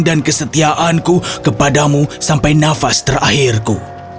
dan kesetiaanku kepadamu sampai nafas terakhirku